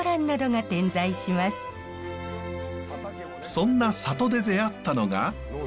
そんな里で出会ったのが。